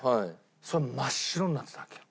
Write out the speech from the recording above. それが真っ白になってたわけよ。